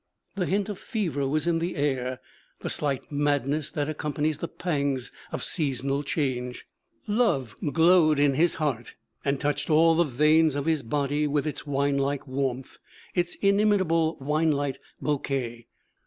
The hint of fever was in the air the slight madness that accompanies the pangs of seasonal change. Love glowed in his heart and touched all the veins of his body with its winelike warmth, its inimitable winelike bouquet.